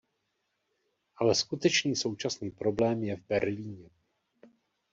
Ale skutečný současný problém je v Berlíně.